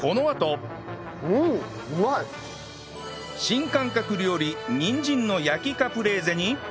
新感覚料理にんじんの焼きカプレーゼに